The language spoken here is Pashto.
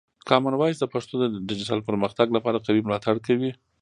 کامن وایس د پښتو د ډیجیټل پرمختګ لپاره قوي ملاتړ کوي.